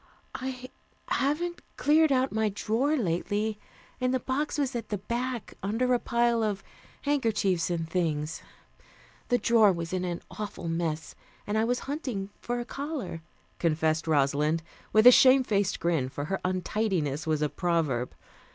"I haven't cleared out my drawer lately, and the box was at the back, under a pile of handkerchiefs and things. The drawer was in an awful mess, and I was hunting for a collar," confessed Rosalind with a shame faced grin, for her untidiness was a proverb.